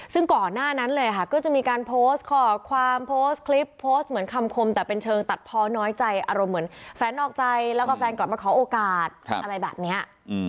ซึ่งก่อนหน้านั้นเลยค่ะก็จะมีการโพสต์ข้อความโพสต์คลิปโพสต์เหมือนคำคมแต่เป็นเชิงตัดพอน้อยใจอารมณ์เหมือนแฟนออกใจแล้วก็แฟนกลับมาขอโอกาสอะไรแบบนี้